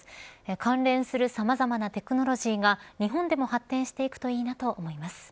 関連するさまざまなテクノロジーが日本でも発展していくといいなと思います。